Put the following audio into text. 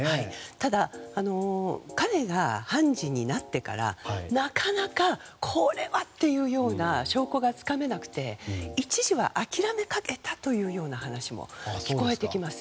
ただ彼が判事になってからなかなかこれはっていうような証拠がつかめなくて一時は諦めかけたというような話も聞こえてきます。